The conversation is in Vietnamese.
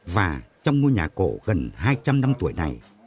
và trong ngôi nhà cổ gần hai trăm linh năm tuổi này